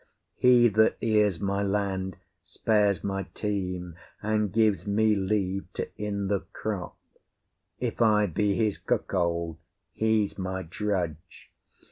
He that ears my land spares my team, and gives me leave to in the crop: if I be his cuckold, he's my drudge.